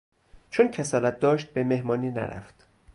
چون کسالت داشت به مهمانی نرفت.